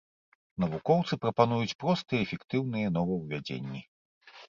Навукоўцы прапануюць простыя і эфектыўныя новаўвядзенні.